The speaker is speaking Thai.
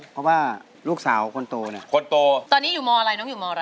เพราะว่าลูกสาวคนโตเนี่ยคนโตตอนนี้อยู่มอะไรน้องอยู่มอะไร